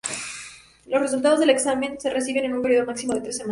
Los resultados del examen se reciben en un periodo máximo de tres semanas.